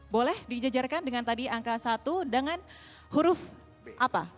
boleh dijajarkan dengan tadi angka satu dengan huruf apa